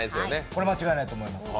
これは間違いないと思います。